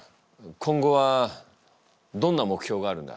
今後はどんな目標があるんだ？